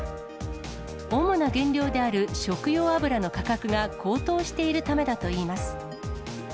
主な原料である食用油の価格が高騰しているためだといいます。